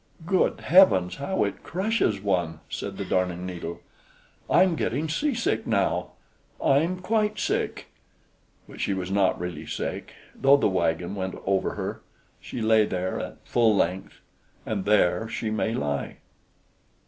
"Good Heavens, how it crushes one!" said the Darning needle. "I'm getting seasick now I'm quite sick." But she was not really sick, though the wagon went over her; she lay there at full length, and there she may lie.